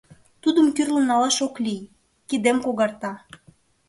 Тудым кӱрлын налаш ок лий - кидем когарта.